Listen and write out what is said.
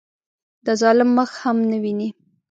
د ظالم مخ هم نه ویني.